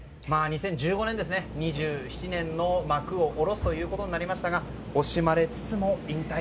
更に、２０１５年２７年の幕を下ろすということになりましたが惜しまれつつも引退。